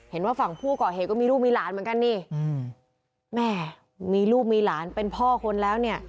เห็นว่าฝั่งผู้ก่อเหตุก็มีลูกมีหลานเหมือนกันนี่อืมแม่มีลูกมีหลานเป็นพ่อคนแล้วเนี่ย